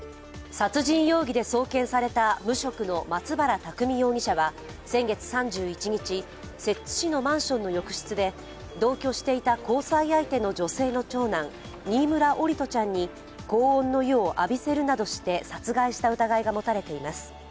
殺人容疑で送検された無職の松原拓海容疑者は先月３１日、摂津市のマンションの浴室で同居していた交際相手の女性の長男、新村桜利斗ちゃんに高温の湯を浴びせるなどして殺害した疑いが持たれています。